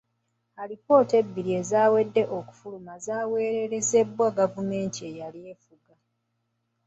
Alipoota ebbiri ezawedde okufulumizibwa zaaweerezebwa gavumenti eyali efuga.